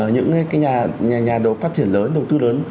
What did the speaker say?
những cái nhà đầu phát triển lớn đồng tư lớn